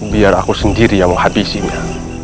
biar aku sendiri yang menghabisinya